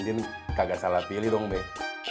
semuanya sudah bumi banget apa